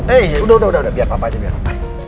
eh udah udah biar papa aja biar papa